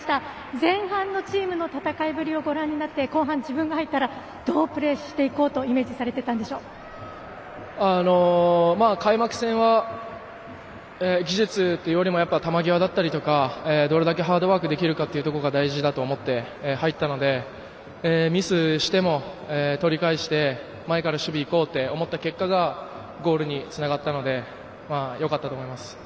前半のチームの戦いぶりをご覧になって後半、自分が入ったらどうプレーしようといめーじされていましたか。開幕戦は技術というよりも球際だったりとかどれだけハードワークできるかが大事だと思って入ったのでミスしても取り返して前から守備行こうと思った結果がゴールにつながったのでよかったと思います。